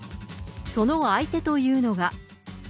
その相手というのが。